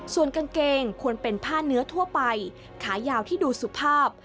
ส่วนกางเกงควรเป็นผ้าเนื้อทั่วไปขายาวที่ดูสุภาพ